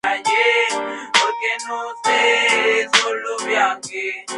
La mayoría de las casas abovedadas, pero en ruinas, sirven de majadas.